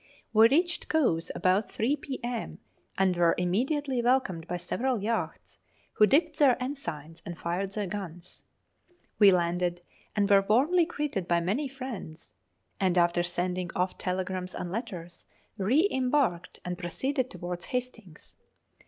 We reached Cowes about 3 p.m., and were immediately welcomed by several yachts, who dipped their ensigns and fired their guns. We landed, and were warmly greeted by many friends, and, after sending off telegrams and letters, re embarked and proceeded towards Hastings.